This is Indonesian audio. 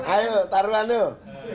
ayo taruhan tuh